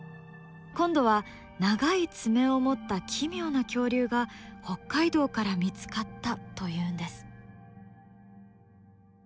今度は長い爪を持った奇妙な恐竜が北海道から見つかったというんです。